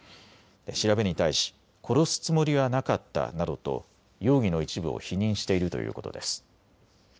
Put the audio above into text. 調べに対し、殺すつもりはなかったなどと容疑の一部を否認しているということです。